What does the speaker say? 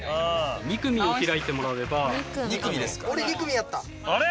・２組を開いてもらえれば・俺２組やった。あれ？